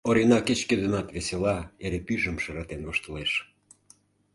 Орина кеч-кӧ денат весела, эре пӱйжым шыратен воштылеш.